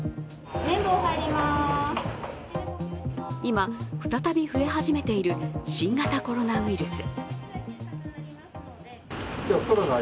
今、再び増え始めている新型コロナウイルス。